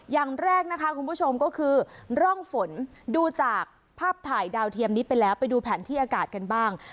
อย่างแรกนะคะคุณผู้ชมก็คือร่องฝนดูจากภาพถ่ายดาวเทียมนี้ไปแล้วไปดูแผนที่อากาศกันบ้าง